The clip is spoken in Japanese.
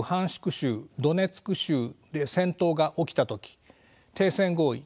州ドネツク州で戦闘が起きた時停戦合意